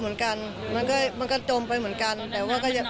พูดสิทธิ์ข่าวธรรมดาทีวีรายงานสดจากโรงพยาบาลพระนครศรีอยุธยาครับ